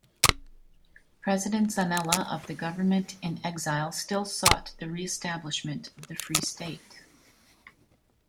President Zanella of the government-in-exile still sought the re-establishment of the Free State.